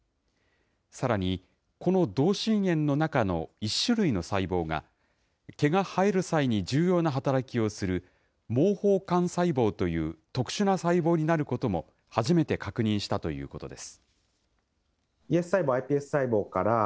さらに、この同心円の中の１種類の細胞が、毛が生える際に重要な働きをする、毛包幹細胞という特殊な細胞になることも初めて確認したということです。